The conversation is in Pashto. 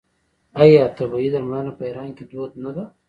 آیا طبیعي درملنه په ایران کې دود نه ده؟